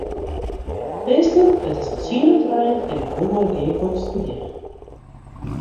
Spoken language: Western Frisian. Minsken, it is al tsien oer trijen en ik wol mei de gearkomste begjinne.